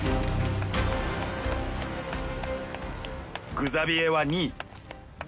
グザビエは２位。